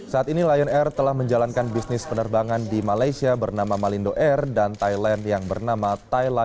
saat ini lion air telah menjalankan bisnis penerbangan di malaysia bernama malindo air dan thailand yang bernama thailand